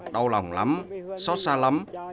đau lòng lắm xót xa lắm